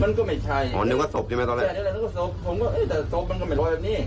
มันก็ไม่ใช่อ๋อนึกว่าศพใช่ไหมตอนแรกแต่นึกว่าศพผมก็เอ๊ะแต่ศพมันก็ไม่ลอยแบบนี้